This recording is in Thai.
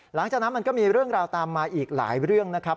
หลังจากนั้นมันก็มีเรื่องราวตามมาอีกหลายเรื่องนะครับ